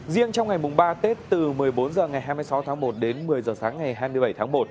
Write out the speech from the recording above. riêng trong ngày mùng ba tết từ một mươi bốn h ngày hai mươi sáu tháng một đến một mươi h sáng ngày hai mươi bảy tháng một